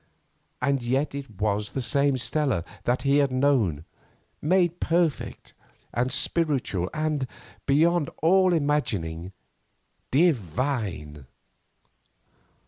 And yet it was the same Stella that he had known made perfect and spiritual and, beyond all imagining, divine.